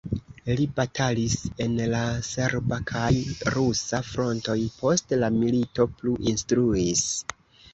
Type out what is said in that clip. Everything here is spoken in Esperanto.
Li batalis en la serba kaj rusa frontoj, post la milito plu instruis.